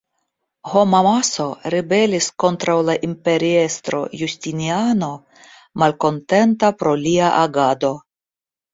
Homamaso ribelis kontraŭ la imperiestro Justiniano, malkontenta pro lia agado.